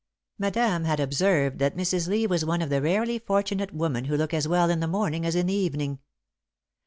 Madame had observed that Mrs. Lee was one of the rarely fortunate women who look as well in the morning as in the evening.